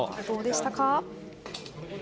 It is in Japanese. どうでしたか？